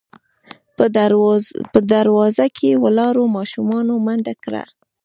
په دروازه کې ولاړو ماشومانو منډه کړه.